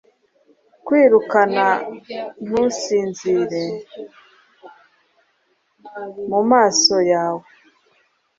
Kwirukana ntusinzire mumaso yawe,